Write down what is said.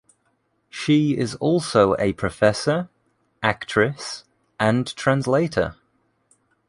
She is also a professor, actress, and translator.